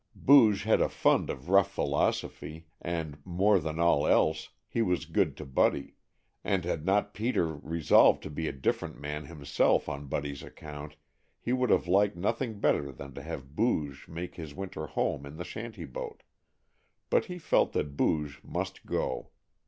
Booge had a fund of rough philosophy and, more than all else, he was good to Buddy, and had not Peter resolved to be a different man himself on Buddy's account, he would have liked nothing better than to have Booge make his winter home in the shanty boat, but he felt that Booge must go.